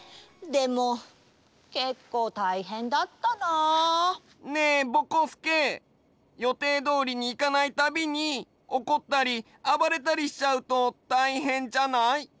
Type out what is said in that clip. でもけっこうたいへんだったな！ねえぼこすけ予定どおりにいかないたびにおこったりあばれたりしちゃうとたいへんじゃない？